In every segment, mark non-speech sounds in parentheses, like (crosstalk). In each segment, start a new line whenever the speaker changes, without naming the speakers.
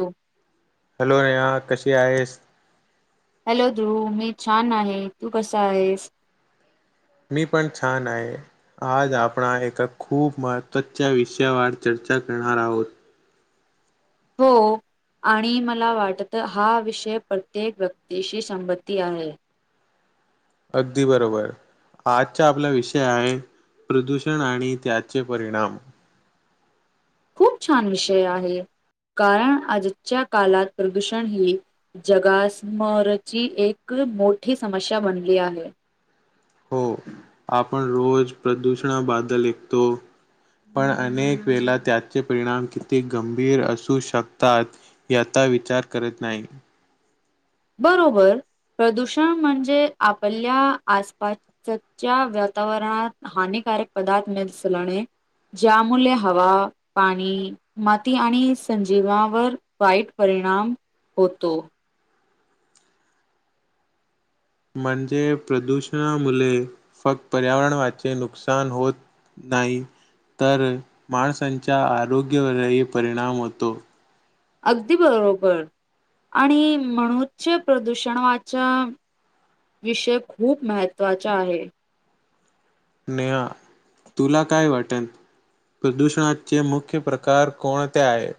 हो
हॅलो रेया कशी आहेस
हॅलो ध्रुव मी छान आहे तू कसा आहेस
मी पण छान आहे आज आपण एका खूप महत्त्वाच्या विषयावर चर्चा चर्चा करणार आहोत
हो आणि मला वाटत हा विषय प्रत्येक व्यक्तीशी संमती आहे
अगदी बरोबर आजचा आपला विषय आहे प्रदूषण आणि त्याचे परिणाम
खूप छान विषय आहे कारण आजच्या कालाात प्रदूषण ही जगासमरची एक मोठी समस्या बनली आहे
हो आपण रोज प्रदूषणाबादल ऐतो पण अनेक वेळा त्याचे परिणाम किती गंभीर असू शकतात याचा (inaudible) विचार करत नाही
बरोबर प्रदूषण म्हणजे आपल्या आसपासच्या वातावरणात हानिक पदार्थ म दिसलणे ज्यामुळे हवा पाणी माती आणि संजीववर वाईट पर परिणाम होतो
म्हणजे प्रदूषणामुळे फक्त पर्यावरणाचे नुकसान होत नाही तर माणसांच्या आरोग्यावरही परिणाम होतो
अगदी बरोबर आणि म्हणूनचचे प्रदूषणावाच विषय खूप महत्त्वाचा आहे
नहा तुला काय वाटेल प्रदूषणाचे मुख्य प्रकार कोणते आहेत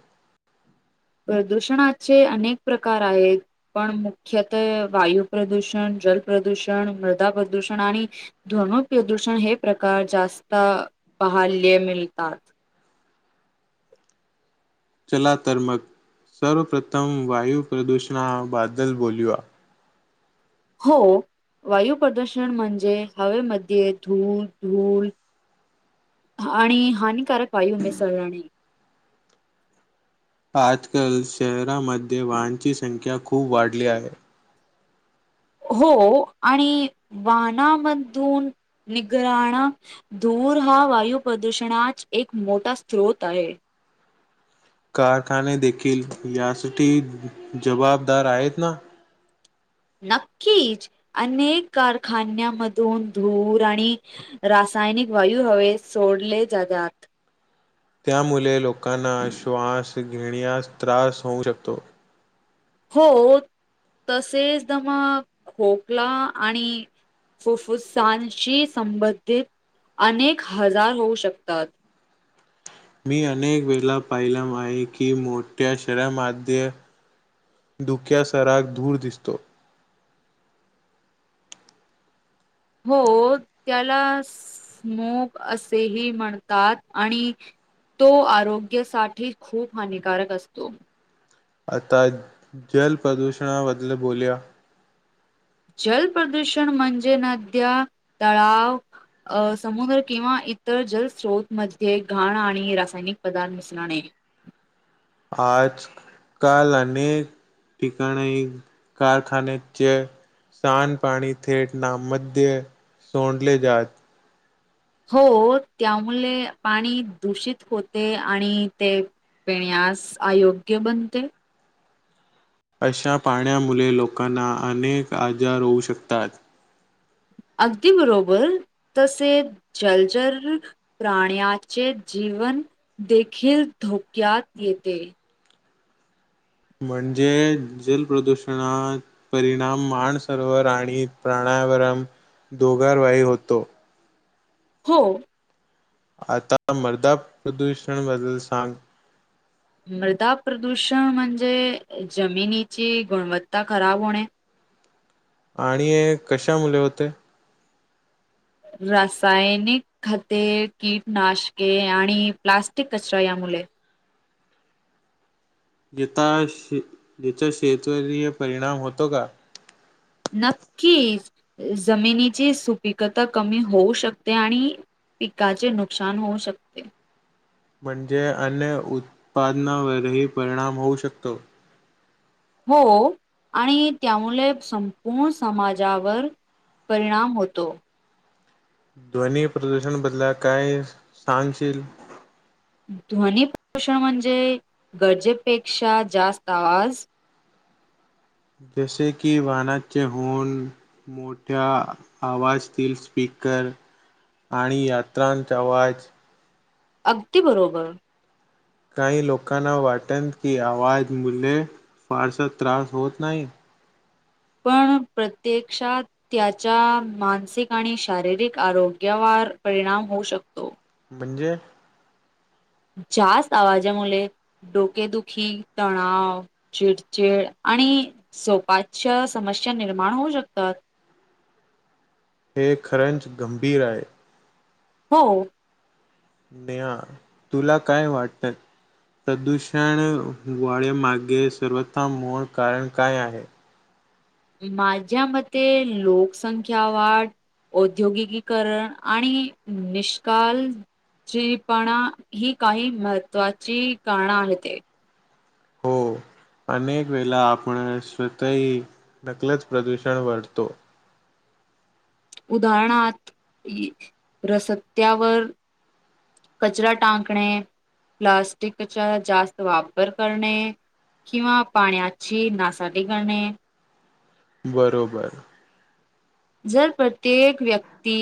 प्रदूषणाचे अनेक प्रकार आहेत पण मुख्यत वायू प्र्रदूषण जल प्र्रदूषण मृदा प्रदूषण आणि ध्वनु प्रदूषण हे प्रकार जास्त बहल्य मिलतात
चला तर मग सर्वप्रथम वायु प्रदूषणा बादल बोलया
हो वायू प्र्रदूषण म्हणजे हवेमध्ये धूळ धूल आणि हानिकारक वायू मिेसळला आणि
आजकाल शहरांमध्ये वाहनची संख्या खूप वाढली आहे
हो आणि वानामधून निगराण धूर हा वायू प्रदूषणाात एक मोठा स्रोत आहे.
कारखाने देखील यासाठी जबाबदार आहेत ना?
नक्कीच अनेक कारखान्यामधून धूर आणि रा रासायनिक वायू हवे सोडले जातात.
त्यामुळे लोकांना श्वास घेण्यास त्रास होऊ शकतो.
हो. तसेच दमा खोकला आणि फुफ्फुसांशी संबंधित अनेक हजार होऊ शकतात.
मी अनेक वेळा पाहिला आहे की मोठ्या शहरामध्ये धुक्या सराक धूर दिसतो.
हो. त्याला स्मोग असेही म्हणतात आणि तो आरोग्यासाठी खूप हानिकारक असतो.
आता जल प्रदूषणा बदल बोलूया.
जल प्रदूषण म्हणजे नद्या, तळाव, अ समुद्र किंवा इतर जलस्रोतमध्ये घाण आणि रासायनिक पदार्थ मिस्रणे
आजकाल अनेक ठिकाणे कारखान्याचे. सांड पाणी थेट ना मध्ये सोडले जात.
हो. त्यामुळे पाणी दूषित होते आणि ते पिण्यास अयोग्य बनते.
अशा पाण्यामुळे लोकांना अनेक आजार होऊ शकतात.
अगदी बरोबर. तसे जलजर प्राण्याचे जी जीवन देखील धोक्यात येते.
म्हणजे जल प्रदूषणात परिणाम मान सरोवर आणि प्रा (unintelligible) दोघांवरही होतो.
हो.
आता मर्दा प्रदूषण बद्दल सांग.
मृदा प्रदूषण म्हणजे जमिनीची गुणवत्ता खराब होणे.
आणि कशा मुले होते?
रासायनिक खते, कीटनाशके आणि प्लास्टिक कचरा या मुळे.
याता याचा शेतरीय परिणाम होतो का?
नक्कीच जमिनीची सुपिकता कमी होऊ शकते आणि पिकाचे नुकसान होऊ शकते.
म्हणजे अन्य उत्पादनावरही परिणाम होऊ शकतो.
हो. आणि त्यामुळे संपूर्ण समाजावर परिणाम होतो.
ध्वनी प्रदूषण बदला काय सांगशील?
ध्वनीपदूषण म्हणजे गरजेपेक्षा जास्त आवाज.
जसे की वाहनाचे हॉर्न, मोठ्या आवाजातील स्पी कर आणि यत्रांचा आवाज.
अगदी बरोबर.
काही लोकांना वाटन की आवाज मुले फारसा त्रास होत नाही.
पण प्रत्यक्षात त्याच्या मानसिक आणि शारीरिक आरोग्यावर परिणाम होऊ शकतो.
म्हणजे?
जास्त आवाजामुळे डोकेदुखी तणाव चिडचिड आणि झोपाच्या समस्या निर्माण होऊ शकतात.
हे खरंच गंभीर आहे.
हो.
नेहा तुला काय वाटतं. प्रदूषण वाढयामागे सर्वतः मूळ कारण काय आहे.
माझ्या मते लोकसंख्या वाढ औद्योगिकीकरण आणि निष्काल जीपणा ही काही महत्वाची कारण आहेत.
हो,
(unintelligible)
अनेक वेला आपण स्वतःही नकलच प्रदूषण वाढतो
उदाहरणात इ रसत्यावर कचरा टाकणे, प्लास्टिकचा जास्त वापर करणे किंवा पाण्याची नासाडी करणे
बरोबर
जर प्रत्येक व्यक्ती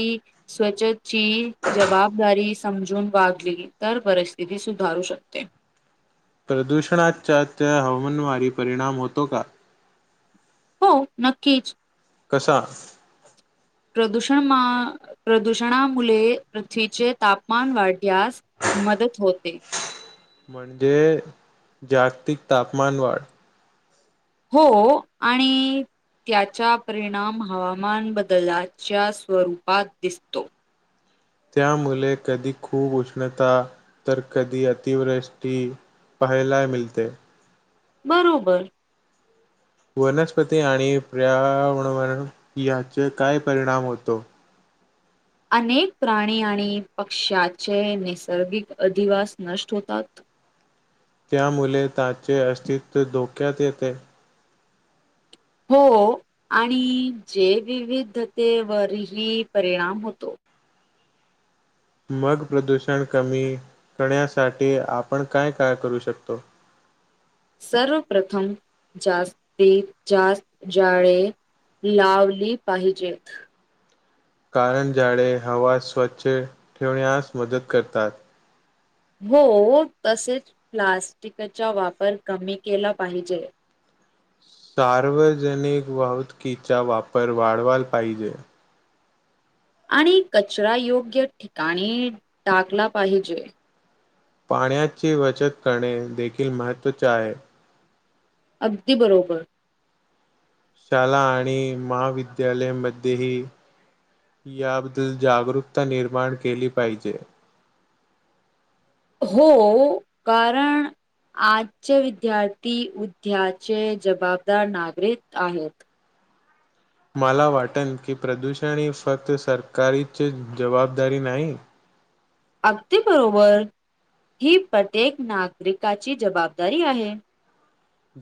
स्वछतची जबाबदारी समजून वागली तर परिस्थिती सुधारू शकते
प्रदूषणाचा त्या हवामानवारी परिणाम होतो का?
हो नक्कीच.
कसा?
प्रदूषण मं.. प्रदूषणामुळे पृथ्वीचे तापमान वाढल्यास मदत होते.
म्हणजे जागतिक तापमान वाढ
हो आणि त्याचा परिणाम हवामान बदलाच्या स्वरूपात दिसतो
त्यामुळे कधी खूप उष्णता तर कधी अतिवृष्टी. पहिलाय मिलते.
बरोबर.
वनस्पती आणि पर्यावरण याचे काय परिणाम होतो.
अनेक प्राणी आणि पक्ष्याचे नैसर्गिक अधिवास नष्ट होतात (unintelligible)
त्या मुले त्याचे अस्तित्व धोक्यात येते.
हो आणि जेविविधतेवरही परिणाम होतो.
मग प्रदूषण कमी करण्यासाठी आपण काय काय करू शकतो.
सर्वप्रथम जास्ती जास्त झाडे लावली पाहिजेत.
कारण झाडे हवा स्वच्छ ठेवण्यास मदत करतात.
हो तसेच प्लास्टिकचा वापर कमी केला पाहिजे.
सार्वजनिक वाहतुकीचा वापर वाढवाला पाहिजे.
आणि कचरा योग्य ठिकाणी टाकला पाहिजे.
पाण्याची बचत करणे देखील महत्त्वाचे आहे.
अगदी बरोबर.
शाळा आणि महाविद्यालयमध्येही. याबद्दल जागरूकता निर्माण केली पाहिजे.
हो कारण. आजचे विद्यार्थी उद्याचे जबाबदार नागरिक आहेत.
मला वाटन की प्रदूषण ही फक्त सरकारीची जबाबदारी नाही.
अगदी बरोबर. ही प्रत्येक नागरिकाची जबाबदारी आहे.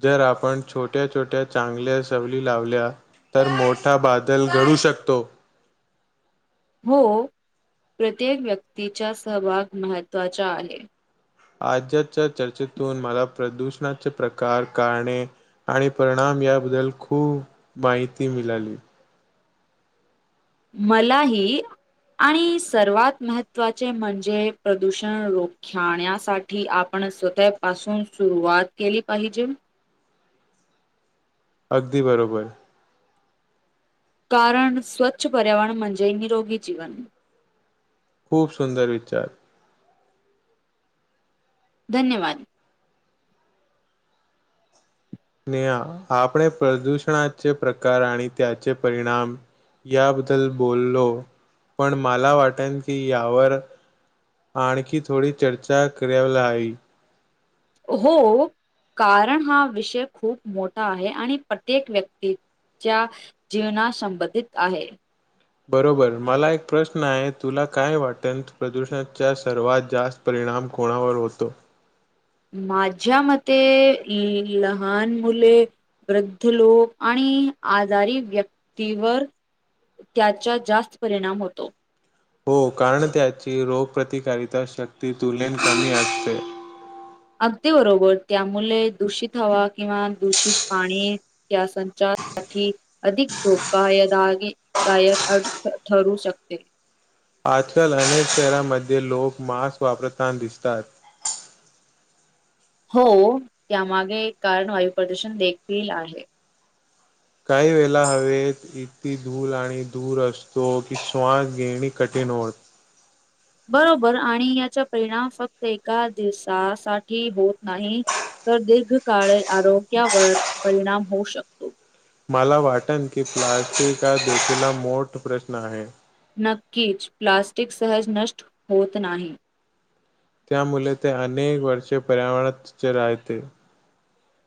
जर आपण छोट्या छोट्या चांगल्या सवली लावल्या तर मोठा बादल घड. होऊ शकतो.
(unintelligible) हो प्रत्येक व्यक्तीचा सहभाग महत्त्वाचा आहे.
आज्याच्या चर्चेतून मला प्रदूषणाचे प्रकार कारणे आणि परिणाम. याबद्दल खूप माहिती मिळाली.
मलाही. आणि सर्वात महत्त्वाचे म्हणजे प्रदूषण रोखण्यासाठी आपण. स्वतः पाासून सुरुवात केली पाहिजे.
अगदी बरोबर.
कारण स्वच्छ पर्यावरण म्हणजे निरोगी जीवन.
खूप सुंदर विचार.
धन्यवाद!
नेहा आपण प्रदूषणाचे प्रकार आणि त्याचे परिणाम. याबद्दल बोललो पण मला वाटेन की यावर. आणखी थोडी चर्चा कराव लाई.
हो! कारण हा विषय खूप मोठा आहे आणि प्रत्येक व्यक्ती. च्या जीवना संबंधित आहे.
बरोबर मला एक प्रश्न आहे, तुला काय वाटेल प्रदूषणाच्या सर्वात जास्त. परिणाम कोणावर होतो.
माझ्या मते लहान मुले. वृद्ध लोक आणि आजारी व्यक्तीवर. त्याचा जास्त परिणाम होतो.
हो कारण त्याची रोगप्रतिकारिता शक्ती तुलत कमी असते.
अगदी बरोबर त्यामुळे दूषित हवा किंवा दूषित पाणी त्या संचार. साठी अधिक धोकायदागी दायक ठरू शकते.
आजकाल अनेक शहरांमध्ये लोक मास्क वापरताना दिसतात.
हो, त्यामागे कारण वायू प्रदूषण देखील आहे.
काही वेळेला हवेत इतकी धूळ आणि धुर असतो की श्वास घेणे कठीण, रोज,
बरोबर आणि याचा परिणाम फक्त एका दिवसासाठी होत नाही. तर दीर्घकाळ आरोग्यावर परिणाम होऊ शकतो.
मला वाटत की प्लास्टिक हा देशीला मोठ प्रश्न आहे.
नक्कीच प्लास्टिक सहज नष्ट होत नाही.
त्यामुळे ते अनेक वर्षे पर्यावराणातच ते राहते.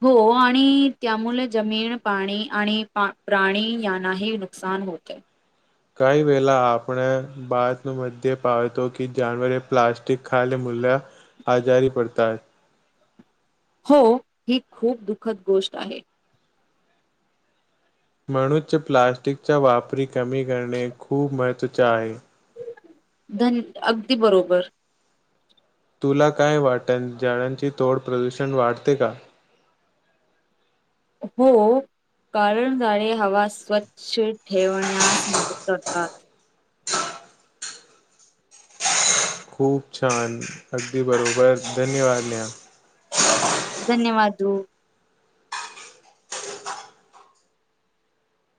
हो आणि त्यामुळे जमीन, पाणी आणि प्राणी यांनाही नुकसान, होते,
काय वेळेला आपण बाात मध्ये पाहतो की जानवरे प्लास्टिक खायले मु, आजारी पडतात.
हो ही खूप दुखद गोष्ट आहे.
म्हणुच प्लास्टिकच्या वापरी कमी, करणे खूप महत्वाचे आहे.
धन अगदी बरोबर,
तुला काय वाटत झाडांचे तोड प्रदूषण वाढते का?
(inaudible) हो, कारण झाडे हवा स्वच्छ ठेवण्यास मदत करतात.
खूप छान अगदी बरोबर धन्यवाद! नेहा,
धन्यवाद ध्रुव,